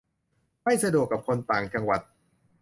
- ไม่สะดวกกับคนต่างจังหวัด